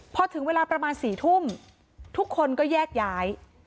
พอถึงเวลาประมาณ๔ทุ่มทุกคนก็แยกย้าย